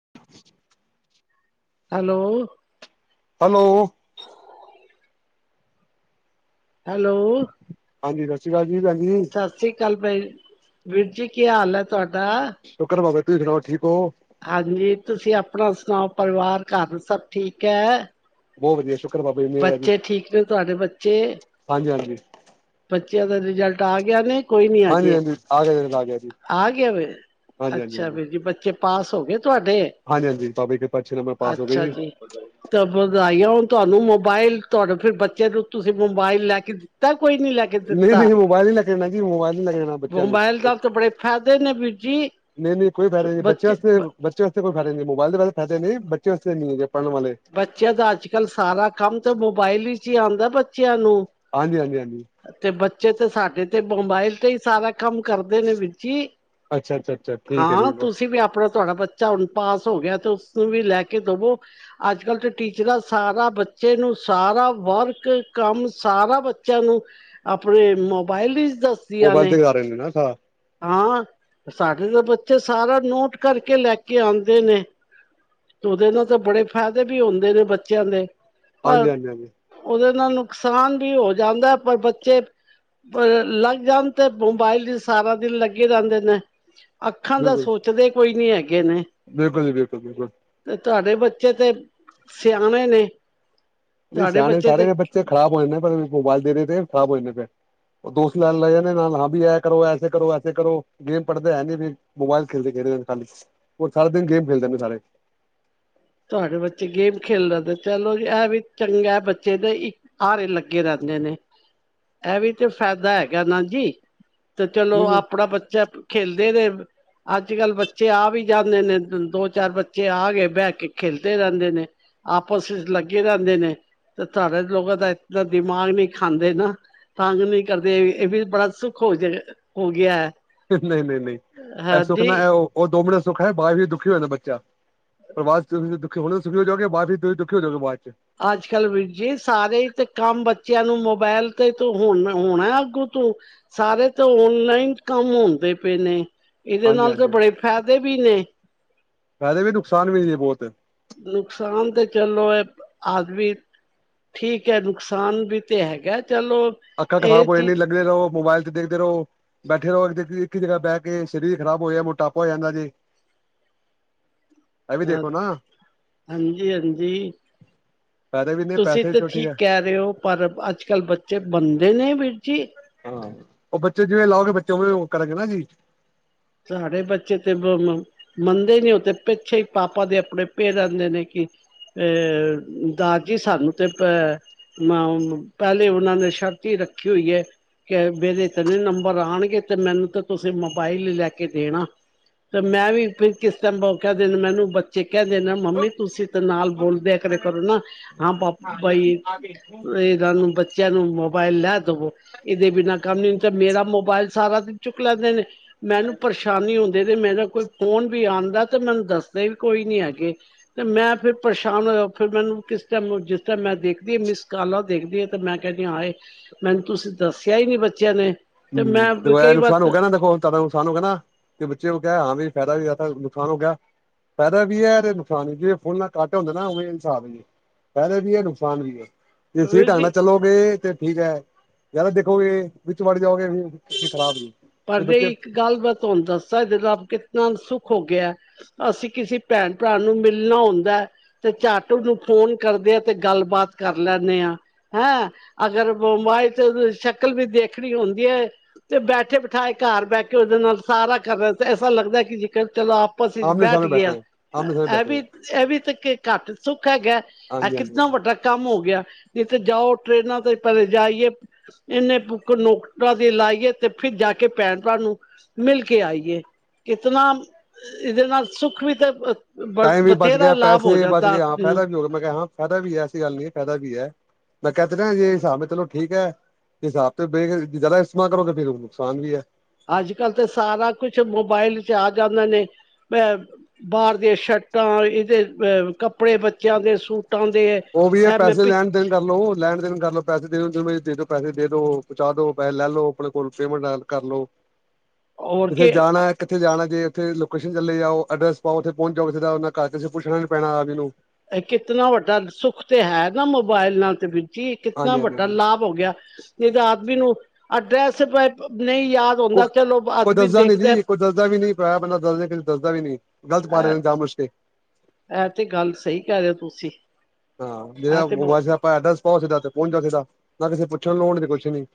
[inaudible] Hello hello hello ਹਾਂਜੀ ਸਤਿ ਸ਼੍ਰੀ ਅਕਾਲ ਜੀ ਭੈਣਜੀ। ਸਤਿ ਸ਼੍ਰੀ ਅਕਾਲ ਬਾਈ ਵੀਰ ਜੀ ਕੀ ਹਾਲ ਐ ਤੁਹਾਡਾ ਸ਼ੁਕਰ ਬਾਬਾ ਤੁਸੀਂ ਸੁਣਾਓ ਠੀਕ ਹੋ। ਹਾਂਜੀ ਤੁਸੀਂ ਆਪਣਾ ਸੁਣਾਓ ਪਰਿਵਾਰ ਘਰ ਸਭ ਠੀਕ ਐ। ਬੋਤ ਵਧੀਆ ਸ਼ੁਕਰ ਬਾਬਾ ਜੀ ਮੇਰ ਐ ਜੀ ਠੀਕ ਨੇ ਤੁਹਾਡੇ ਬੱਚੇ? ਹਾਂਜੀ-ਹਾਂਜੀ ਬੱਚਿਆਂ ਦਾ ਰਿਜਲਟ ਆ ਗਿਆ ਨੇ। ਕੋਈ ਨੀ ਹਾਂਜੀ ਅਜੇ ਹਾਂਜੀ ਆ ਗਿਆ ਆ ਗਿਆ ਜੀ ਆ ਗਿਆ ਵੈ ਹਾਂਜੀ ਹਾਂਜੀ ਅੱਛਾ ਵੀਰ ਜੀ ਬੱਚੇ ਪਾਸ ਹੋ ਗਏ ਤੁਹਾਡੇ ਹਾਂਜੀ-ਹਾਂਜੀ ਬਾਬੇ ਕੇ ਅੱਛਾ ਜੀ ਤਾਂ ਵਧਾਈ ਹੋਣ ਤੁਆਨੂੰ, ਮੋਬਾਇਲ ਤੁਹਾਡੇ ਫੇਰ ਬੱਚੇ ਨੂੰ, ਤੁਸੀਂ ਮੋਬਾਇਲ ਲੈ ਕੇ ਤਾਂ, ਕੋਈ ਨੀ ਲੱਗ ਨਈ- ਨਈ ਮੋਬਾਇਲ ਨੀ ਲੈਕੇ ਦੇਣਾ ਜੀ, ਮੋਬਾਇਲ ਨਈ ਲੈਕੇ ਦੇਣਾ ਬੱਚੇਆਂ ਨੂੰ ਮੋਬਾਇਲ ਨਾਲ ਤਾਂ ਬੜੇ ਫਾਇਦੇ ਨੇ ਵੀਰ ਜੀ ਨਈ- ਨਈ ਕੋਈ ਫਾਇਦਾ ਨਈ, ਬੱਚੇਆ ਬੱਚੇ ਵਾਸਤੇ, ਬ- ਬੱਚੇ ਆ ਵਾਸਤੇ ਕੋਈ ਫਾਇਦਾ ਨਈ, ਮੋਬਾਇਲ ਦੇ ਵੈਸੇ ਫਾਇਦੇ ਨੇ, ਬੱਚੇਆ ਵਾਸਤੇ ਨਈ ਹੈਗੇ ਪੜਨ ਵਾਲੇ ਬੱਚੇਆਂ ਦਾ ਅੱਜ-ਕੱਲ੍ਹ ਸਾਰਾ ਕੰਮ ਤਾਂ, ਮੋਬਾਇਲ ਵਿੱਚ ਈ ਆਂਦਾ ਬੱਚੇਆਂ ਨੂੰ ਹਾਂਜੀ- ਹਾਂਜੀ, ਹਾਂਜੀ ਤੇ, ਬੱਚੇ ਤੇ ਸਾਡੇ ਤੇ ਮੋਬਾਇਲ ਤੇ ਈ ਸਾਰਾ ਕੰਮ ਕਰਦੇ ਨੇ ਵੀਰ ਜੀ। ਅੱਛਾ ਅੱਛਾ ਅੱਛਾ ਠੀਕ ਹੈ ਜੀ ਹਾਂ, ਤੁਸੀਂ ਵੀ ਆਪਣਾ ਤੁਆਡਾ ਬੱਚਾ ਹੁਣ ਪਾਸ ਹੋ ਗੇਆ, ਤੇ ਉਸਨੂੰ ਵੀ ਲੈ ਕੇ ਦਵੋ ਅੱਜ ਕੱਲ੍ਹ ਤਾ ਟੀਚਰਾਂ ਸਾਰਾ ਬੱਚੇ ਨੂੰ, ਸਾਰਾ ਵਰਕ ਕੰਮ ਸਾਰਾ ਬੱਚੇਆਂ ਨੂੰ ਆਪਣੇ ਮੋਬਾਇਲ ਵਿੱਚ ਦੱਸ ਮੋਬਾਇਲ ਤੇ ਆ ਰਏ ਨੇ, ਨਾ, ਸਾ ਹਾਂ, ਸਾਡੇ ਤਾਂ ਬੱਚੇ ਸਾਰਾ ਨੋਟ ਕਰਕੇ ਲੈ ਕੇ ਆਦੇ ਨੇ ਤੇ ਓਦੇ ਨਾਲ ਤਾਂ ਬੜੇ ਫ਼ੈਦੇ ਵੀ ਹੁੰਦੇ ਨੇ ਬੱਚੇਆਂ ਦੇ, ਪਰ ਹਾਂਜੀ ਹਾਂਜੀ ਹਾਂਜੀ ਓਦੇ ਨਾਲ ਨੁਕਸਾਨ ਵੀ ਹੋ ਜਾਂਦਾ, ਪਰ ਬੱਚੇ ਲੱਗ ਜਾਨ, ਤੇ ਮੋਬਾਈਲ ਵਿਚ ਸਾਰਾ ਦਿਨ ਲੱਗੇ ਰੇਂਦੇ ਨੇ, ਅੱਖਾਂ ਦਾ ਬਿਲਕੁਲ ਸੋਚਦੇ ਕੋਈ ਨੀ ਹੈਗੇ ਨੇ ਬਿਲਕੁਲ ਜੀ- ਬਿਲਕੁਲ- ਬਿਲਕੁਲ ਤੇ, ਤੁਆਡੇ ਬੱਚੇ ਤੇ ਸਿਆਣੇ ਨੇ ਨਈ ਤੁਹਾਡੇ ਸਿਆਣੇ ਬੱਚੇ ਸਾਰੇ ਤੇ ਨੇ ਬੱਚੇ, ਖਰਾਬ ਹੋ ਜਾਂਦੇ, ਪਰ ਮੋਬਾਇਲ ਦੇਣੇ ਤੇ ਖਰਾਬ ਹੋ ਜਾਂਦੇ ਫੇਰ ਉਹ ਦੋਸਤ ਕੈਣ ਲੱਗ ਜਾਂਦੇ ਨਾਲ, ਆਪ ਵੀ ਏ ਕਰੋ, ਐਸੇ ਕਰੋ, ਐਸੇ ਕਰੋ, ਗੇਮ, ਪੜ੍ਹਦੇ ਹੈ ਨੀ ਫ਼ਿਰ ਮੋਬਾਇਲ ਖੇਡਦੇ- ਖੇਡਦੇ ਖਾਲੀ, ਓ ਸਾਰਾ ਦਿਨ ਗੇਮ ਖੇਡਦੇ ਨੇ ਸਾਰੇ ਤੁਆਡੇ ਬੱਚੇ ਗੇਮ ਖੇਲ ਲੇਂਦੇ,, ਚਲੋ ਜੀ ਏ ਵੀ ਚੰਗਾ ਬੱਚੇ ਲਈ। ਆਰੇ ਲੱਗੇ ਰੇਂਦੇ ਨੇ, ਏ ਵੀ ਤੇ ਫੈਦਾ ਹੈਗਾ ਨਾ ਜੀ। ਤੇ ਨਹੀਂ ਚਲੋ ਨਹੀਂ ਆਪਣਾ ਬੱਚਾ ਖੇਲਦੇ ਰਏ, ਅੱਜ -ਕੱਲ ਬੱਚੇ ਆ ਵੀ ਜਾਂਦੇ ਨੇ, ਦੋ- ਚਾਰ ਬੱਚੇ ਆ ਗਏ ਬੈ ਕੇ ਖੇਿਲਦੇ ਰੇਂਦੇ ਨੇ, ਆਪਸ ਵਿੱਚ ਲੱਗੇ ਰੇਂਦੇ ਨੇ ਤੇ ਤਾਡੇ ਲੋਗਾ ਦਾ, ਇਤਨਾ ਦਿਮਾਗ ਨਈ ਖਾਂਦੇ ਨਾ ਤੰਗ ਨਈ ਕਰਦੇ, ਏ ਵੀ ਬੜਾ ਸੁੱਖ ਹੋ ਜੇ, ਹੋ ਗੇਆ ਐ। ਨਈ- ਨਈ- ਨਈ, ਏ ਸੁੱਖ ਨਾ ਓ, ਦੋ ਮਿਨੇ ਸੁੱਖ ਐ ਬਾਅਦ ਵਿੱਚ ਦੁਖੀ ਹੋ ਜਾਂਏ ਬੱਚਾ ਪਰ ਬਾਅਦ ਚ ਤੁਸੀਂ ਦੁਖੀ ਹੋਣਾ, ਸੁਖੀ ਹੋ ਜਾਓਗੇ, ਬਾਅਦ ਚ ਤੁਂਸੀ ਦੁਖੀ ਹੋ ਜਾਓਗੇ, ਬਾਅਦ ਚ ਅੱਜ ਕੱਲ੍ਹ ਵੀਰ ਜੀ ਸਾਰੇ, ਤੇ ਕੰਮ ਬੱਚੇਆਂ ਨੂੰ ਮੋਬਾਇਲ ਤੇ, ਤੂੰ ਹੋਣ ਹੋਣਾ ਅੱਗੂ ਤੂੰ ਸਾਰੇ ਤੇ ਔਨਲਾਈਨ ਕੰਮ ਹੁੰਦੇ ਪਏ ਨੇ, ਏਦੇ ਹਾਂਜੀ ਨਾਲ ਤਾਂ ਹਾਂਜੀ ਹਾਂਜੀ ਬੜੇ ਫਾਇਦੇ ਵੀ ਨੇ ਫਾਇਦੇ ਵੀ, ਨੁਕਸਾਨ ਵੀ ਏ, ਬੋਤ ਨੁਕਸਾਨ ਤੇ ਚੱਲੋ, ਏ ਆਦਮੀ ਠੀਕ ਹੈ, ਨੁਕਸਾਨ ਵੀ ਤੇ ਹੈਗਾ ਚਲੋ ਅੱਖਾਂ ਇਹ ਖਰਾਬ ਹੋ ਚੀਜ਼ ਜਾਂਦੀਆ ਨੇ, ਲਗੇ ਰਹੋ, ਮੋਬਾਇਲ ਤੇ ਦੇਖਦੇ ਰਹੋ ਬੈਠੇ ਰਹੋ, ਇੱਕ ਈ ਜਗ੍ਹਾ ਬੈ ਕੇ, ਸਰੀਰ ਖਰਾਬ ਹੋ ਜਾਏ ਮੋਟਾਪਾ ਹੋ ਜਾਂਦਾ ਜੀ ਇਹ ਵੀ ਅਹ, ਦੇਖੋ ਨਾ ਹਾਜੀ- ਹਾਂਜੀ ਫਾਇਦੇ ਵੀ ਨੇ ਤੁਸੀਂ ਪੈਸੇ ਵੀ ਤਾਂ ਚਲੋ ਹੈ ਠੀਕ ਕੈ ਰਏ ਓ, ਪਰ ਅੱਜ -ਕੱਲ੍ਹ ਬੱਚੇ ਮੰਨਦੇ ਨੇ ਵੀਰ ਜੀ। ਹਾਂ, ਓ ਬੱਚੇ ਜਿਵੇਂ ਲਾਓਗੇ ਬੱਚੇ ਉਵੇਂ ਓ ਕਰਨਗੇ ਜੀ। ਸਾਡੇ ਬੱਚੇ ਤੇ ਦੋਨੋ ਮੰਨਦੇ ਨੀ ਓ ਤੇ ਪਿੱਛੇ ਈ, ਪਾਪਾ ਦੇ ਆਪਣੇ ਪਏ ਰੇਂਦੇ ਨੇ ਕਿ ਅਹ ਦਾਰ ਜੀ ਸਾਨੂੰ ਤੇ ਅ ਮਾਉਨ ਨੂੰ, ਪੈਲੇ ਓਨਾਂ ਨੇ ਸ਼ਰਤ ਈ ਰੱਖੀ ਹੋਈ ਐ। ਕੇ ਮੇਰੇ ਤੇ ਐਨੇ ਨੰਬਰ ਆਨਗੇ ਤੇ ਮੈਨੂੰ ਤਾਂ ਤੁਸੀਂ ਮੋਬਾਈਲ ਲੈ ਕੇ ਦੇਨਾ। ਤੇ ਮੈਂ ਵੀ ਫਿਰ ਕਿਸ ਟੈਮ ਕੈ ਦੇਨਾ ਮੈਨੂੰ ਬੱਚੇ ਕੈ ਦੇਨ ਨਾ ਮੰਮੀ ਤੁਸੀਂ ਤਾ ਨਾਲ ਬੋਲ ਦੇ ਕਿਆ ਕਰੋ ਨਾ, ਆਂ ਪਾਪਾ ਈ ਏ ਗੱਲ ਨੂੰ ਬੱ ਬੱਚੇਆਂ ਨੂੰ ਮੋਬਾਇਲ ਲੈ ਦਵੋ ਏਦੇ ਬਿਨਾਂ ਕੰਮ ਨੀ ਹੁੰਦਾ ਮੇਰਾ ਮੋਬਾਇਲ ਸਾਰਾ ਦਿਨ ਚੁੱਕ ਲੈਂਦੇ ਨੇ, ਮੈਨੂੰ ਪਰੇਸ਼ਾਨੀ ਹੁੰਦੇ ਤੇ ਮੇਰਾ ਕੋਈ ਫੋਨ ਵੀ ਆਂਦਾ ਤੇ ਮੈਨੂੰ ਦੱਸਦੇ ਵੀ ਕੋਈ ਨੀ ਹੈਗੇ। ਤੇ ਮੈਂ ਫਿਰ ਪਰੇਸ਼ਾਨ ਹੋਏਆ ਫਿਰ ਮੈਨੂੰ ਕਿਸ ਟੈਮ ਨੂੰ ਜਿਸ ਟੈਮ ਮੈਂ ਦੇਖਦੀ ਆਂ ਮਿਸ ਕਾਲਾਂ ਦੇਖਦੀ ਆਂ ਤੇ ਮੈਂ ਕੈਨੀ ਆਂ ਹਾਏ ਮੈਨੂੰ ਤੁਸੀਂ ਦੱਸੇਆ ਈ ਨੀ ਬੱਚਿਆਂ ਨੇ। ਤੇ ਹੂੰ, ਮੈਂ ਦਵਾਏਆ ਕਈ ਵਾਰ ਨੁਕਸਾਨ ਹੋ ਗੇਆ ਨਾ ਦੇਖੋ। ਜਾਦਾ ਨੁਕਸਾਨ ਹੋ ਗੇਆ ਨਾ ਤੇ ਬੱਚੇ ਨੂੰ ਕਿਆ ਹਾਂ ਵੀ ਫੈਦਾ ਵੀ ਜਾਦਾ ਨੁਕਸਾਨ ਹੋ ਗੇਆ। ਫੈਦਾ ਵੀ ਐ ਤੇ ਨੁਕਸਾਨ ਵੀ ਕੀ ਆ ਜੇ ਫੋਨ ਨਾ ਘੱਟ ਹੁੰਦੇ ਨਾ ਓਵੇਂ ਨੁਕਸਾਨ ਵੀ। ਫੈਦੇ ਵੀ ਐ ਨੁਕਸਾਨ ਵੀ ਐ। ਜੇ ਸਈ ਵੀਰ ਢੰਗ ਜੀ ਨਾਲ ਚੱਲੋਗੇ ਤੇ ਠੀਕ ਐ, ਜ਼ਿਆਦਾ ਦੇਖੋਗੇ ਵੀ ਵਿਚ ਵੜ ਜਾਓਗੇ ਫੇਰ ਤੇ ਖਰਾਬ ਈ। ਪਰ ਨਈਂ ਇੱਕ ਗੱਲ ਮੈਂ ਤੁਆਨੂੰ ਦੱਸਾਂ ਏਦੇ ਨਾਲ ਕਿਤਨਾ ਸੁਖ ਹੋ ਗੇਆ। ਅਸੀਂ ਕਿਸੀ ਭੈਨ-ਭਰਾ ਨੂੰ ਮਿਲਨਾ ਹੁੰਦਾ ਤੇ ਝੱਟ ਓਨੂੰ ਫੋਨ ਕਰਦੇ ਆਂ ਤੇ ਗੱਲਬਾਤ ਕਰ ਲੈਨੇ ਆ। ਹੈਂ ਅਗਰ ਮੋਬੈਲ ਤੇ ਸ਼ਕਲ ਵੀ ਦੇਖਨੀ ਹੁੰਦੀ ਐ ਤੇ ਬੈਠੇ ਬੈ ਧਾਏ ਘਰ ਬੈ ਕੇ ਓਦੇ ਨਾਲ ਸਾਰਾ ਕਰ ਰਿਆ ਐਸਾ ਲੱਗਦਾ ਕੀ ਜੇਕਰ ਚੱਲ ਆਪਸ ਵਿੱਚ ਆਮਣੇ ਬੈਠ ਸਾਹਮਣੇ ਗੇਆ। ਬੈਠੇ ਹੈ ਆਮਣੇ ਸਾਹਮਣੇ ਐ ਬੈਠੇ ਹੈ ਵੀ ਐ ਵੀ ਤੇ ਕੇ ਘੱਟ ਸੁੱਖ ਹੈਗਾ ਐ ਹਾਂਜੀ ਹਾਂਜੀ ਕਿੱਦਾਂ ਹਾਂਜੀ ਵੱਡਾ ਕੰਮ ਹੋ ਗੇਆ ਕਿਤੇ ਜਾਓ ਟਰੇਨਾਂ ਤੇ ਪੈਲੇ ਜਾਈਏ ਏਨੇ ਪੁਖਨੁਖਤਾ ਦੀ ਲਾਈਏ ਤੇ ਫਿਰ ਜਾ ਕੇ ਕੇ ਭੈਨ ਭਰਾ ਨੂੰ ਮਿਲ ਕੇ ਆਈਏ, ਕਿਤਨਾ ਏਦੇ ਨਾਲ ਸੁੱਖ ਵੀ ਤੇ ਬ ਟਾਈਮ ਵੀ ਬਚ ਬਥੇਰਾ ਗੇਆ ਲਾਭ ਪੈਸੇ ਹੋ ਵੀ ਬਚ ਜਾਂਦਾ ਗਏ ਹਾਂ ਆਦਮੀ ਨੂੰ ਫੈਦਾ ਵੀ ਹੋ ਗੇਆ ਮੈਂ ਕਿਆ ਫੈਦਾ ਵੀ ਏ ਐਸੀ ਗੱਲ ਨੀ ਐ ਫੈਦਾ ਵੀ ਐ। ਮੈਂ ਕਿਆ ਤੀ ਜੇ ਨਾ ਸਾਬ ਨਾਲ ਚਲੋ ਠੀਕ ਐ। ਹਿਸਾਬ ਤੇ ਬੇ ਜਾਦਾ ਇਸਤੇਮਾਲ ਕਰੋਗੇ ਫੇਰ ਨੁਕਸਾਨ ਵੀ ਐ। ਅੱਜ-ਕੱਲ ਤਾਂ ਸਾਰਾ ਕੁਛ ਮੋਬਾਇਲ ਚ ਆ ਜਾਂਦੇ ਨੇ, ਅ ਬਾਰ ਦੀਆਂ ਸ਼ਰਟਾਂ ਏਦੇ ਅਹ ਕੱਪੜੇ ਬੱਚੇਆਂ ਦੇ ਸੂਟਾਂ ਦੇ ਓ ਵੀ ਏ ਐਵੇਂ ਪੈਸੇ ਲੈਨ-ਦੇਨ ਕਰਲੋ ਲੈਨ-ਦੇਨ ਕਰਲੋ ਪੈਸੇ ਦੇਦੋ ਜਿਵੇਂ ਦੇਦੋ ਪੈਸੇ ਦੇ ਦੋ ਪਚਾਦੋ ਪੈਸੇ ਲੈ ਲੋ ਆਪਨੇ ਕੋਲ ਪੇਮੈਂਟ ਐਡ ਕਰਲੋ। ਔਰ ਕਿਥੇ ਕੇ ਜਾਨਾ ਕਿਥੇ ਜਾਨਾ ਜੇ ਓਥੇ ਲੋਕੇਸ਼ਨ ਚੱਲੇ ਜਾਓ ਅਡਰੈਸ ਪਾਓ ਓਥੇ ਪੌਂਚ ਜਾਓ ਕਿਸੇ ਦਾ ਓਨਾਂ ਘਰ ਕਿਸੇ ਅਸੀਂ ਪੁੱਛਨਾ ਨੀ ਪੈਨਾ ਆਪ ਜੀ ਨੂੰ। ਏ ਕਿਤਨਾ ਵੱਡਾ ਸੁੱਖ ਤੇ ਹੈ ਨਾ ਮੋਬਾਇਲਾਂ ਤੇ ਵਿ ਕੀ ਕਿਤਨਾ ਹਾਂਜੀ ਹਾਂਜੀ ਵੱਡਾ ਹਾਂਜੀ ਲਾਭ ਹੋ ਗੇਆ, ਜਦ ਆਦਮੀ ਨੂੰ ਅਡਰੈਸ ਭਾਏਂ ਨਈਂ ਯਾਦ ਹੁੰਦਾ ਚਲੋ ਕੋਈ-ਕੋਈ ਆਦਮੀ ਦੱਸਦਾ ਨੀ ਦੇਖਦਾ ਜੀ ਕੋਈ ਦੱਸਦਾ ਵੀ ਨੀ। ਐ ਬੰਦਾ ਦੱਸਦੇ ਦੱਸਦਾ ਵੀ ਨੀ ਗਲਤ ਪਾ ਲੈਨੇ ਆਂ ਜਾਨ ਬੁਜਕੇ। ਐ ਤੇ ਗੱਲ ਸਈ ਕੈ ਰਏ ਓਂ ਤੁਸੀਂ, ਹਾਂ ਐ ਜਿਹੜਾ ਤੇ ਬਹੁ ਮੋਬਾਇਲ ਐਡਰੈਸ ਪਾਓ ਸਿੱਦਾ ਤੇ ਪੌਂਚ ਜਾਓ ਸਿੱਦਾ, ਨਾ ਕਿਸੇ ਪੁੱਛਨ ਦੀ ਲੋੜ ਨਾ ਕੁਛ ਨੀ।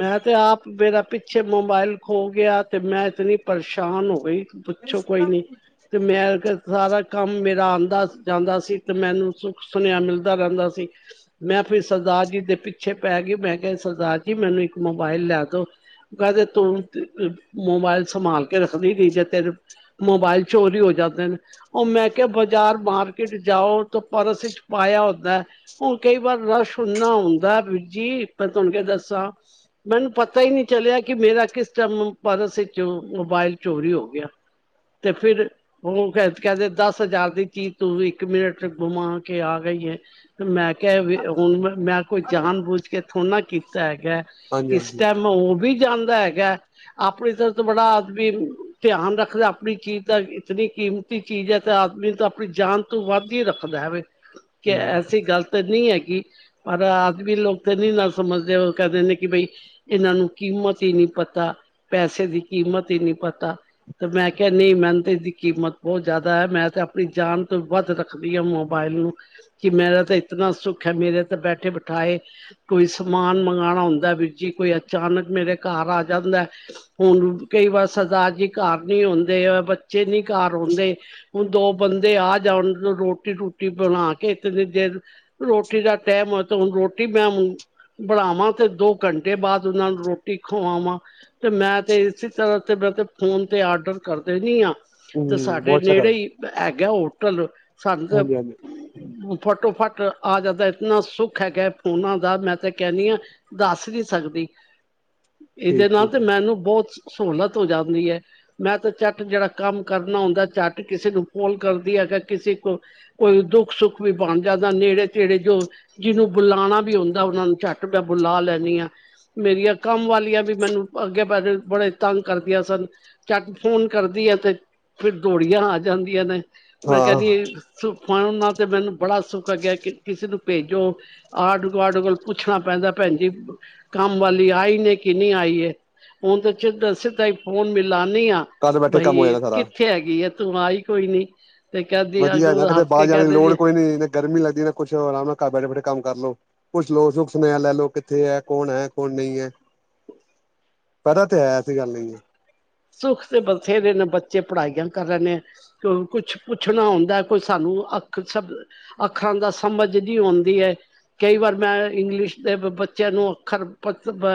ਮੈਂ ਤੇ ਆਪ ਮੇਰਾ ਪਿੱਛੇ ਮੋਬਾਇਲ ਖੋ ਗੇਆ ਤੇ ਮੈਂ ਇਤਨੀ ਪਰੇਸ਼ਾਨ ਹੋ ਗਈ। ਪੁੱਛੋ ਕੋਈ ਨੀ ਤੇ ਮੈਂ ਅਗਰ ਸਾਰਾ ਕੰਮ ਮੇਰਾ ਆਂਦਾ ਜਾਂਦਾ ਸੀ ਤੇ ਮੈਨੂੰ ਸੁੱਖ ਸੁਨੇਆ ਮਿਲਦਾ ਰੈਂਦਾ ਸੀ। ਮੈਂ ਫਿਰ ਸਰਦਾਰ ਜੀ ਦੇ ਪਿੱਛੇ ਪੈ ਗੀ ਮੈਂ ਕਿਆ ਸਰਦਾਰ ਜੀ ਮੈਨੂੰ ਇੱਕ ਮੋਬਾਇਲ ਲੈ ਦੋ, ਕੈਂਦੇ ਤੂੰ ਅ ਮੋਬਾਇਲ ਸੰਭਾਲ ਕੇ ਰੱਖਦੀ ਗੀ ਤੇ ਤੇਰੇ ਮੋਬਾਇਲ ਚੋਰੀ ਹੋ ਜਾਂਦੇ ਨੇ ਓ ਮੈਂ ਕਿਆ ਬਾਜ਼ਾਰ, ਮਾਰਕਿਟ ਜਾਓ ਤੇ ਪਰਸ ਚ ਪਾਇਆ ਹੁੰਦਾ। ਹੁਣ ਕਈ ਵਾਰ ਰਸ਼ ਇੰਨਾ ਹੁੰਦਾ ਬੀਰ ਜੀ, ਮੈਂ ਤੁਹਾਨੂੰ ਕੀ ਦੱਸਾਂ। ਮੈਨੂੰ ਪਤਾ ਈ ਨੀਂ ਚਲਿਆ ਕਿ ਮੇਰਾ ਕਿਸ ਟੈਮ, ਪਰਸ ਇੱਚ ਮੋਬਾਇਲ ਚੋਰੀ ਹੋ ਗਿਆ। ਤੇ ਫਿਰ ਓ ਕੇ ਕੈਦੇ ਦਸ ਹਜ਼ਾਰ ਦੀ ਚੀਜ਼ ਤੂੰ ਇੱਕ ਮਿੰਟ, ਘੁਮਾ ਕੇ ਆ ਗਈ ਏ। ਤੇ ਮੈਂ ਕਿਆ ਵੀ ਹੁਣ ਮੈਂ ਕੋਈ ਜਾਣ ਬੂਝ ਕੇ ਥੋੜ੍ਹ ਨਾਂ ਕੀਤਾ ਹੈਗਾ। ਹਾਂਜੀ ਕਿਸ ਹਾਂਜੀ ਟੈਮ ਹੋ ਵੀ ਜਾਂਦਾ ਹੈਗਾ, ਆਪਣੇ ਤਰਫ ਤੇ ਬੜਾ ਆਦਮੀ ਧਿਆਨ ਰੱਖਦਾ ਆਪਣੀ ਚੀਜ਼ ਦਾ, ਇਤਨੀ ਕੀਮਤੀ ਚੀਜ਼ ਐ ਤੇ ਆਦਮੀ ਤਾਂ ਆਪਣੀ ਜਾਨ ਤੋਂ ਵੱਧ ਈ ਰੱਖਦਾ ਹੈਵੇ। ਕਿ ਹੂੰ ਐਸੀ ਗੱਲ ਤਾਂ ਨੀਂ ਹੈਗੀ, ਪਰ ਆਦਮੀ ਲੋਕ ਤੇ ਨੀਂ ਨਾਂ ਸਮਝ ਦੇ ਓ ਕਹਿ ਦਿਣੇ ਕਿ ਬਈ ਇਨ੍ਹਾਂ ਨੂੰ ਕੀਮਤ ਈ ਨੀਂ ਪਤਾ, ਪੈਸੇ ਦੀ ਕੀਮਤ ਈ ਨੀਂ ਪਤਾ। ਤੇ ਮੈਂ ਕਿਆ ਨਈਂ ਮੈਨੂੰ ਤੇ ਏਦੀ ਕੀਮਤ ਬੋਤ ਜਿਆਦਾ ਐ, ਮੈਂ ਤੇ ਆਪਣੀ ਜਾਨ ਤੋਂ ਵੱਧ ਰੱਖ ਖਦੀ ਆ ਮੋਬਾਇਲ ਨੂੰ ਕਿ ਮੇਰਾ ਤਾਂ ਇਤਨਾ ਸੁੱਖ ਐ, ਮੇਰੇ ਤੇ ਬੈਠੇ-ਬਠਾਏ ਕੋਈ ਸ ਸਮਾਨ ਮੰਗਾਣਾ ਹੁੰਦਾ ਏ ਵੀਰ ਜੀ, ਕੋਈ ਅਚਾਨਕ ਮੇਰੇ ਘਰ ਆ ਜਾਂਦਾ ਐ। ਹੁਣ ਕਈ ਵਾਰ ਸਰਦਾਰ ਜੀ ਘਰ ਨੀ ਹੁੰਦੇ, ਅ ਬੱਚੇ ਨੀਂ ਘਰ ਹੁੰਦੇ। ਹੁਣ ਦੋ ਬੰਦੇ ਆ ਜਾਉਣ ਰੋਟੀ-ਰੂਟੀ ਬਣਾ ਕੇ ਇਤਨੀ ਦੇਰ ਰੋਟੀ ਦਾ ਟੈਮ ਹੋਏ ਤੇ ਹੁਣ ਰੋਟੀ ਮੈਂਮੂ ਬਣਾਵਾਂ ਤੇ ਦੋ ਘੰਟੇ ਬਾਅਦ ਓਨਾਂ ਨੂੰ ਰੋਟੀ ਖਵਾਵਾਂ। ਤੇ ਮੈਂ ਤੇ ਇਸੇ ਤਰ੍ਹਾਂ ਤੇ, ਮੈਂ ਤੇ ਫੋਨ ਤੇ ਆਡਰ ਕਰ ਦੇਨੀ ਆਂ। ਤੇ ਹੂੰ ਬਹੁਤ ਸਾਡੇ ਅੱਛਾ ਕਰ ਨੇੜੇ ਈ ਹੈਗਾ ਹੋਟਲ, ਸਾਨੂੰ ਤੇ ਹਾਂਜੀ ਹਾਂਜੀ ਫਟੋ-ਫੱਟ ਆ ਜਾਂਦਾ, ਇਤਨਾਂ ਸੁੱਖ ਹੈਗਾ ਫੋਨਾਂ ਦਾ ਮੈਂ ਤੇ ਕਹਿਣੀ ਆਂ ਦੱਸ ਨੀਂ ਸਕਦੀ, ਇਦੇ ਠੀਕ ਨਾਲ ਤੇ ਠੀਕ ਹੈ ਮੈਨੂੰ ਬੋਤ ਸਹੂਲਤ ਹੋ ਜਾਂਦੀ ਐ। ਮੈਂ ਤਾਂ ਝੱਟ ਜੇੜਾ ਕੰਮ ਕਰਨਾ ਹੁੰਦਾ, ਝੱਟ ਕਿਸੇ ਨੂੰ ਫੋਨ ਕਰਦੀ, ਅਗਰ ਕਿਸੇ ਕੋ ਕੋਈ ਦੁੱਖ-ਸੁੱਖ ਵੀ ਬਣ ਜਾਂਦਾ, ਨੇੜੇ-ਤੇੜੇ ਜੋ ਜਿਨੂੰ ਬਲਾਣਾ ਵੀ ਹੁੰਦਾ ਓਨਾਂ ਨੂੰ ਝੱਟ ਮੈਂ ਬੁਲਾ ਲੈਣੀ ਆਂ। ਮੇਰੀਆਂ ਕੰਮ ਵਾਲੀਆਂ ਵੀ ਮੈਨੂੰ ਅੱਗੇ ਬ ਬੜੇ ਤੰਗ ਕਰਦੀਆਂ ਸਨ। ਚੱਟ ਫੋਨ ਕਰਦੀ ਆਂ ਤੇ ਫਿਰ ਦੋੜੀਆਂ ਆ ਜਾਂਦੀਆਂ ਨੇ, ਮੈਂ ਹਾਂ ਕਹਿਣੀ ਸੁ ਫੋਨ ਨਾਂ ਤੇ ਮੈਨੂੰ ਬੜਾ ਸੁਖ ਹੈਗਾ ਕਿ ਕਿਸੇ ਨੂੰ ਭੇਜੋ ਆਡ-ਗਵਾਡ ਕੋਲ ਪੁੱਛਣਾ ਪੈਂਦਾ ਭੈਣ ਜੀ ਕੰਮ ਵਾਲੀ ਆਈ ਨੇ ਕਿ ਨੀਂ ਆਈ ਏ, ਹੁਣ ਤਾਂ ਛਿੱਦ ਸਿੱਧਾ ਈ ਫੋਨ ਮਿਲਾਣੀ ਆਂ। ਘਰ ਬੈਠੇ ਕੰਮ ਹੋ ਬਹੀ, ਜਾਣਾ ਸਾਰਾ ਕਿੱਥੇ ਹੈਗੀ ਏ ਤੂੰ ਆਈ ਕੋਈ ਨੀ। ਤੇ ਕਹਿੰਦੀ ਵਧੀਆ ਏ ਨਾ ਅੱਗੋਂ ਕਿਤੇ ਹੱਸ ਬਾਰ ਕੇ ਜਾਣ ਦੀ ਕਹਿੰਦੇ ਲੋੜ ਜੀ ਕੋਈ ਨੀਂ ਗਰਮੀ ਲੱਗਦੀ ਨਾਂ ਕੁਛ, ਆਰਾਮ ਨਾਲ ਘਰ ਬੈਠੇ-ਬੈਠੇ ਕੰਮ ਕਰ ਲੋ। ਪੁੱਛ ਲੋ, ਸੁੱਖ ਸੁਨੇਹਾ ਲੈ ਲੋ, ਕਿੱਥੇ ਐ ਕੌਣ ਐ ਕੌਣ ਨਈਂ ਐ। ਪਤਾ ਤੇ ਹੈ, ਐਸੀ ਗੱਲ ਨਈਂ ਐ। ਸੁੱਖ ਤੇ ਬਥੇਰੇ ਨੇਂ, ਬੱਚੇ ਪੜ੍ਹਾਈਆਂ ਕਰ ਰਏ ਨੇਂ। ਹੁਣ ਕੁਛ ਪੁੱਛਣਾ ਹੁੰਦਾ ਕੋਈ ਸਾਨੂੰ, ਅੱਖ, ਸਭ ਅੱਖਰਾਂ ਦਾ ਸਮਝ ਨੀਂ ਔਂਦੀ ਐ। ਕਈ ਵਾਰ ਮੈਂ ਇੰਗਲਿਸ਼ ਦੇ ਬੱਚਿਆਂ ਨੂੰ ਅੱਖਰ ਪਤ ਬ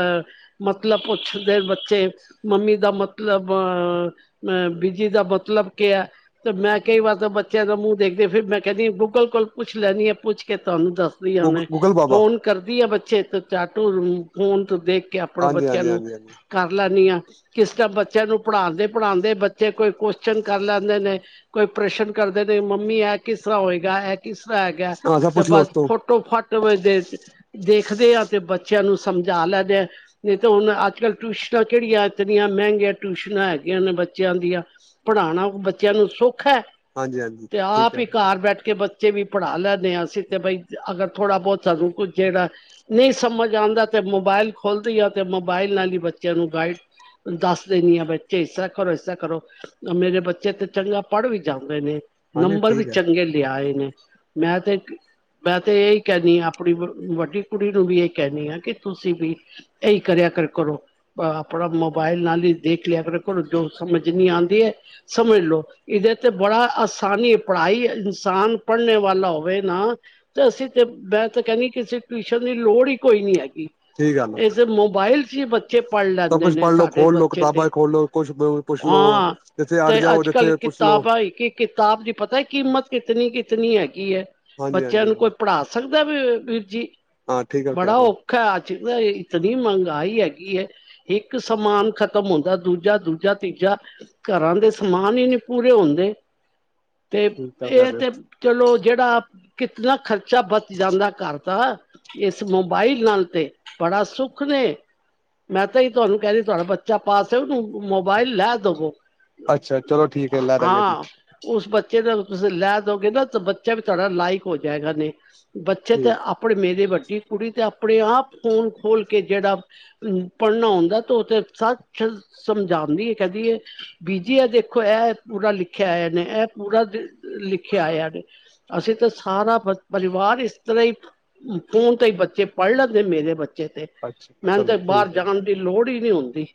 ਮਤਲਬ ਪੁੱਛਦੇ ਬੱਚੇ, ਮੰਮੀ ਦਾ ਮਤ ਮਤਲਬ ਅ ਅ ਬਿਜੀ ਦਾ ਮਤਲਬ ਕੇ ਐ। ਤੇ ਮੈਂ ਕਈ ਵਾਰ ਤਾਂ ਬੱਚਿਆਂ ਦਾ ਮੂੰਹ ਦੇਖਦੀ, ਫਿਰ ਮੈਂ ਕੈਂਦੀ ਗੂਗਲ ਕੋਲ ਪੁੱਛ ਲੈਣੀ ਆਂ, ਪੁੱਛ ਕੇ ਤਾਨੂੰ ਦੱਸ ਦੀ ਆਂ ਗੂ ਹੁਣੇ, ਗੂਗਲ ਬਾਬਾ ਫੋਨ ਕਰਦੀ ਏ ਬੱਚੇ ਤੇ ਚਾਟੂ ਫੋਨ ਤੂੰ ਦੇਖ ਕੇ ਆਪਣਾ ਹਾਂਜੀ ਬੱਚਿਆਂ ਹਾਂਜੀ ਨੂੰ ਹਾਂਜੀ ਹਾਂਜੀ ਕਰ ਲੈਂਣੇ ਆਂ, ਕਿਸ ਟੈਮ ਬ ਬੱਚਿਆਂ ਨੂੰ ਪੜ੍ਹਾਂਦੇ-ਪੜ੍ਹਾਂਦੇ ਬੱਚੇ ਕੋਈ ਕੁਅਸ਼ਚਨ ਕਰ ਲੈਂਦੇ ਨੇ ਕੋਈ ਪ੍ਰਸ਼ਨ ਕਰਦੇ ਨੇ, ਮੰਮੀ ਐ ਕਿਸਰ੍ਹਾਂ ਹੋਏਗਾ ਐ ਕਿਸਰ੍ਹਾਂ ਹੈਗਾ। ਹਾਂ ਸਭ ਤੇ ਪੁੱਛ ਲੋ ਬਸ ਉਸ ਤੋਂ ਫੁਟ ਫੱਟੋ ਫੱਟ ਦੇ ਦਿਨ 'ਚ ਦੇਖਦੇ ਆ ਤੇ ਬੱਚਿਆਂ ਨੂੰ ਸਮਝਾ ਲੈਂਣੇ ਆ। ਨਈ ਤੇ ਹੁਣ ਅੱਜ ਕੱਲ ਟਿਊਸ਼ਨਾਂ ਕੇੜੀਆਂ ਇਤਨੀਆਂ ਮੈਂਗੀਆਂ। ਟਿਊਸ਼ਨਾਂ ਹੈਗੀਆਂ ਨੇ ਬੱਚਿਆਂ ਦੀਆਂ, ਪੜ੍ਹਾਣਾ ਬੱਚਿਆਂ ਨੂੰ ਸੋਖਾ। ਹਾਂਜੀ ਹਾਂਜੀ ਤੇ ਠੀਕ ਆਪ ਹੈ ਈ ਘਰ ਬੈਠ ਕੇ ਬੱਚ ਬੱਚੇ ਵੀ ਪੜ੍ਹਾ ਲੈਂਣੇ ਆਂ, ਅਸੀਂ ਤੇ ਬਈ ਅਗਰ ਥੋੜਾ ਬੋਤ ਸਾਨੂੰ ਕੁ ਜੇੜਾ ਨਈ ਸਮਝ ਆਂਦਾ ਤੇ ਮੋਬਾਇਲ ਖੋਲਦੀ ਆਂ, ਤੇ ਮੋਬਾਇਲ ਨਾਲ ਈ ਬੱਚਿਆਂ ਨੂੰ ਗਾਈਡ ਦੱਸ ਦੇ ਨੀ ਆ, ਬੱਚੇ ਇਸਰ੍ਹਾਂ ਕਰੋ, ਇਸਰਾਂ ਕਰੋ। ਮੇਰੇ ਬੱਚੇ ਤੇ ਚੰਗਾ ਪੜ੍ਹ ਵੀ ਜਾਂਦੇ ਨੇ। ਹਾਂਜੀ ਨੰਬਰ ਵੀ ਠੀਕ ਹੈ ਚੰਗੇ ਲਿਆਏ ਨੇ। ਮੈਂ ਤੇ ਇਕ ਮੈਂ ਤੇ ਏਈ ਕੈਣੀ ਆਂ, ਆਪਣੀ ਵੱਡੀ ਕੁੜੀ ਨੂੰ ਵੀ ਏ ਕੈਣੀ ਆਂ ਕੀ ਤੁਸੀਂ ਵੀ ਏਈ ਕਰਿਆ ਕਰ ਕਰੋ। ਆਪਣਾ ਮੋਬਾਇਲ ਨਾਲ ਈ ਦੇਖ ਲਿਆ ਕਰੋ, ਤੁਆਨੂੰ ਜੋ ਸਮਝ ਨੀ ਆਂਦੀ ਐ, ਸਮਝ ਲੋ‌। ਇਦੇ ਤੇ ਬੜਾ ਆਸਾਨੀ ਪੜ੍ਹਾਈ, ਇਨਸਾਨ ਪੜਨੇ ਵਾਲਾ ਹੋਵੇ ਨਾ। ਤੇ ਅਸੀਂ ਤੇ ਮੈਂ ਤਾਂ ਕੈਣੀ ਕਿਸੇ ਟਿਊਸ਼ਨ ਦੀ ਲੋੜ ਈ ਕੋਈ ਨੀ ਹੈਗੀ। ਠੀਕ ਗੱਲ ਹੈ ਏਸੇ ਮੋਬਾਇਲ 'ਚ ਈ ਬੱਚੇ ਪੜ੍ਹ ਸਭ ਲੈਂਦੇ ਕੁਛ ਨੇ। ਪੜ੍ਹ ਲੋ ਸਾਡੇ ਬ ਖੋਲ ਲੋ ਬੱਚੇ ਤੇ ਕਿਤਾਬਾਂ ਖੋਲ ਲੋ ਕੁਛ ਪੁੱਛ ਲੋ ਹਾਂ, ਜਿੱਥੇ ਅੜ ਤੇ ਜਾਓ ਅੱਜ ਕੱਲ੍ਹ ਜਿੱਥੇ ਪੁੱਛ ਲੋ ਕਿਤਾਬਾਂ ਈ ਕੀ ਇਚ ਕਿਤਾਬ ਦੀ ਪਤਾ ਕੀਮਤ ਕਿਤਨੀ ਕਿਤਨੀ ਹੈਗੀ ਐਂ। ਹਾਂਜੀ ਬੱਚਿਆਂ ਹਾਂਜੀ ਨੂੰ ਕੋਈ ਹਾਂਜੀ ਪੜ੍ਹਾ ਸਭ ਦਾ ਵੀ ਵੀਰ ਜੀ, ਹਾਂ ਠੀਕ ਗੱਲ ਕਹਿ ਬੜਾ ਰਹੇ ਓ ਹੋ [unintelligible] ਇਤਨੀ ਮੈਗਾਈ ਹੈਗੀ ਏ ਇੱਕ ਸਮਾਨ ਖਤਮ ਖਤਮ ਹੁੰਦਾ- ਦੂਜਾ, ਦੂਜਾ ਤੀਜਾ ਘਰਾਂ ਦੇ ਸਮਾਨ ਈ ਨੀ ਪੂਰੇ ਹੁੰਦੇ। ਤੇ ਠੀਕ ਗੱਲ ਕਹਿ ਏ ਰਹੇ ਹੋ ਤੇ ਚਲੋ ਜੇੜਾ ਕਿਤਨਾ ਖਰਚਾ ਬਚ ਜਾਂਦਾ ਘਰ ਤਾਂ ਇਸ ਮੋਬਾਈਲ ਨਾਲ ਤੇ ਬੜਾ ਸੁੱਖ ਨੇ। ਮੈਂ ਤੇ ਏਈ ਤੁਆਨੂੰ ਕੈ ਰੀ ਤੁਆਡਾ ਬੱਚਾ ਪਾਸ ਹੋਏ ਓਨੂੰ ਮੋਬਾਇਲ ਲੈ ਦਵੋ। ਅੱਛਾ ਚਲੋ ਠੀਕ ਏ, ਲਾ ਦਾਂਗੇ ਜੀ। ਓਸ ਬੱਚੇ ਨਾਲ ਤੁਸੀਂ ਲੈ ਦਓਗੇ ਨੇ ਤਾਂ ਬੱਚਾ ਵੀ ਤਾਡਾ ਲਾਇਕ ਓ ਜਾਏਗਾ ਨੇ। ਬੱਚੇ ਤੇ ਠੀਕ ਆਪਣੇ ਮੇਰੇ ਵੱਡੀ ਕੁੜੀ 'ਤੇ ਆਪਣੇ ਆਪ ਫੋਨ ਖੋਲ ਕੇ ਜੇੜਾ ਪੜ੍ਹਨਾ ਆਉਂਦਾ ਤੇ ਓ ਤੇ ਸੱਚ ਸ ਸਮਝਾਂਦੀ ਏ, ਕੈਂਦੀ ਏ ਬੀਜੀ ਐ ਦੇਖੋ ਐ ਪੂਰਾ ਲਿਖਿਆ ਆਇਆ ਨੇ, ਐ ਪੂਰਾ ਲਿਖਿਆ ਆਇਆ ਨੇ। ਅਸੀਂ ਤੇ ਸਾਰਾ ਪਰਿਵਾਰ ਇਸ ਤਰ੍ਹਾਂ ਈ। ਫੋਨ ਤੇ ਈ ਬੱਚੇ ਪੜ੍ਹ ਲੈਂਦੇ, ਮੇਰੇ ਬੱਚੇ ਤੇ। ਅੱਛਾ ਮੈਨੂੰ ਚਲੋ ਤਾਂ ਬਾਹਰ ਠੀਕ ਐ ਜੀ। ਜਾਣ ਦੀ ਲੋੜ ਈ ਨੀ ਹੁੰਦੀ,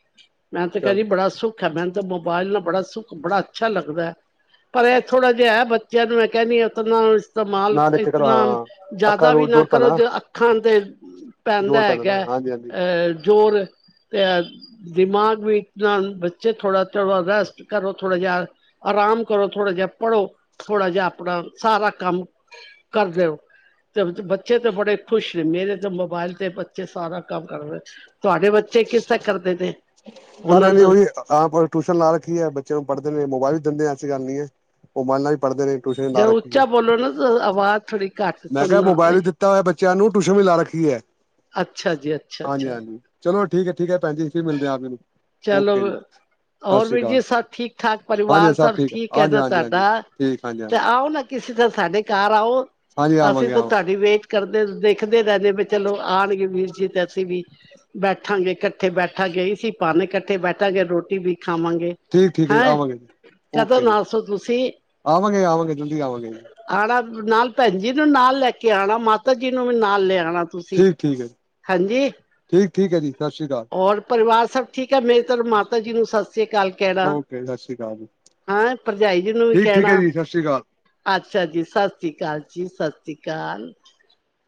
ਮੈਂ ਤੇ ਚਲੋ ਕੈਂਦੀ ਬੜਾ ਸੁੱਖ ਅਛਾ ਮੇਨੂੰ ਤੇ ਮੋਬਾਇਲ ਨਾਲ ਬੜਾ ਸੁੱਖ, ਬੜਾ ਅੱਛਾ ਲੱਗਦਾ ਐ। ਪਰ ਐ ਥੋੜਾ ਜਿਆ ਐ, ਬੱਚਿਆਂ ਨੂੰ ਮੈਂ ਕੈਣੀ ਆਂ ਤਿਨਾ ਨੂੰ ਇਤਮਾਲ ਨਾ ਦੇਖੇ ਕਰੋ ਇਤਨਾ ਹਾਂ ਅੱਖਾਂ ਜਾਦਾ ਵੀ ਰੋਜ਼ ਨਾ ਜ਼ੋਰ ਪੈਂਦਾ ਕਰੋ, ਜੇੜਾ ਅੱਖਾਂ ਤੇ ਪੈਂਦਾ ਜ਼ੋਰ ਨਾ ਹੈਗਾ ਹਾਂਜੀ ਹਾਂਜੀ ਅ ਜ਼ੋਰ ਤੇ ਅ ਦਿਮਾਗ ਵੀ ਇਤਨਾ ਬੱਚੇ ਥੋੜ੍ਹਾ ਥੋੜ੍ਹਾ ਰੈਸਟ ਕਰੋ, ਥੋੜਾ ਜਿਆ ਆਰਾਮ ਕਰੋ ਥੋੜ੍ਹਾ ਜਿਆ ਪੜ੍ਹੋ, ਥੋੜ੍ਹਾ ਜਿਆ ਆਪਣਾ ਸਾਰਾ ਕੰਮ ਕਰ ਦਿਓ। ਤੇ ਬੱਚੇ ਤੇ ਬੜੇ ਖੁਸ਼ ਨੇ, ਮੇਰੇ ਤੇ ਮੋਬਾਇਲ ਤੇ ਬੱਚੇ ਸਾਰਾ ਕੰਮ ਕਰ ਰੇ। ਤੁਆਡੇ ਬੱਚੇ ਕਿਸ ਤਰ੍ਹਾਂ ਕਰਦੇ ਨੇ। ਕਰ ਉਹਨਾਂ ਰੇ ਨੇ ਨੂੰ ਓਈ। ਆਪ ਔਰ ਟਿਊਸ਼ਨ ਲਾ ਰੱਖੀ ਐ ਬੱਚਿਆਂ ਨੂੰ ਪੜ੍ਹਦੇ ਨੇ, ਮੋਬਾਇਲ ਵੀ ਦਿੰਦੇ ਆਂ ਐਸੀ ਗੱਲ ਨ‌ਈ ਐ। ਓਮਾਇਨ ਨਾਲ ਵੀ ਪੜਦੇ ਨੇ, ਟਿਊਸ਼ਨ ਵੀ ਲਾ ਰੱਖੀ ਏ। ਆ ਆਵਾਜ਼ ਥੋੜੀ ਘੱਟ ਮੈਂ ਕਿਆ ਸੁਣਨਾ ਮੋਬਾਇਲ ਆਈ ਵੀ ਦਿੱਤਾ ਓਇਆ ਬੱਚਿਆਂ ਨੂੰ, ਟਿਊਸ਼ਨ ਵੀ ਲਾ ਰੱਖੀ ਐ ਅੱਛਾ ਜੀ ਅੱਛਾ ਹਾਂਜੀ ਅੱਛਾ ਹਾਂਜੀ। ਚਲੋ ਠੀਕ ਹੈ-ਠੀਕ ਹੈ, ਭੈਣ ਜੀ ਫਿਰ ਮਿਲਦੇ ਆਪ ਜੀ ਨੂੰ, ਚਲੋ ਓਕੇ ਜੀ। ਸਤਿ ਹੋਰ ਸ਼੍ਰੀ ਵੀਰ ਜੀ, ਅਕਾਲ ਸਭ ਠੀਕ-ਠਾਕ ਹਾਂਜੀ ਪਰਿਵਾਰ ਸਭ ਠੀਕ ਹੈ ਹਾਂਜੀ ਨਾ ਹਾਂਜੀ ਹਾਂਜੀ ਤੁਹਾਡਾ? ਠੀਕ ਹਾਂਜੀ ਤੇ ਹਾਂਜੀ ਆਓ ਨਾ ਕਿਸੀ ਦਿਨ ਸਾਡੇ ਘਰ ਆਓ ਹਾਂਜੀ ਅਸੀਂ ਆਵਾਂਗੇ ਤਾਂ ਆਵਾਂ ਤੁਹਾਡੀ ਵੇਟ ਕਰਦੇ ਦੇਖਦੇ ਰਹਿੰਦੇ ਵੀ ਚਲੋ ਆਣਗੇ ਵੀਰ ਜੀ, ਤੇ ਅਸੀਂ ਵੀ ਬੈਠਾਂਗੇ ਕ ਇਕਟੇ ਬੈਠਾ ਗੇ ਇਸੀ ਬਹਾਨੇ ਇਕੱਠੇ ਬੈਠਾਂਗੇ, ਰੋਟੀ ਵੀ ਖਾਵਾਂਗੇ। ਤੇ ਠੀਕ ਠੀ਼ਕ ਹੈ ਜੀ, ਹੈਂ ਆਵਾਂਗੇ ਜੀ ਕਦੋਂ ਓਕੇ ਜੀ, ਨਾਸੋ ਤੁਸੀਂ ਆਵਾਂਗੇ-ਆਵਾਂਗੇ ਜਲਦੀ ਆਵਾਂਗੇ। ਆਣਾ ਨਾਲ ਭੈਣ ਜੀ ਨੂੰ ਨਾਲ ਲੈ ਕੇ ਆਣਾ, ਮਾਤਾ ਜੀ ਨੂੰ ਵੀ ਨਾਲ ਲੈ ਆਣਾ। ਠੀਕ-ਠੀਕ ਹੈ ਜੀ। ਠੀਕ-ਠੀਕ ਹੈ ਜੀ, ਸਤਿ ਸ਼੍ਰੀ ਅਕਾਲ। ਹੋਰ ਪਰਿਵਾਰ ਸਭ ਠੀਕ ਹੈ? ਮੇਰੇ ਤਰਫ ਮਾਤਾ ਜੀ ਨੂੰ ਸਤਿ ਸ੍ਰੀ ਅਕਾਲ ਕਹਿਣਾ। ਓਕੇ ਸਤਿ ਸ਼੍ਰੀ ਅਕਾਲ ਜੀ ਹਾ, ਭਰਜਾਈ ਜੀ ਨੂੰ ਵੀ ਠੀਕ ਠੀਕ ਹੈ ਕਹਿਣਾ। ਜੀ ਸਤਿ ਸ਼੍ਰੀ ਅਕਾਲ ਅੱਛਾ ਜੀ, ਸਤਿ ਸ਼੍ਰੀ ਅਕਾਲ ਜੀ, ਸਤਿ ਸ਼੍ਰੀ ਅਕਾਲ।